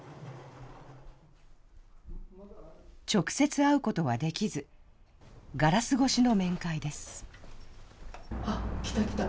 直接会うことはできず、ガラス越しの面会です。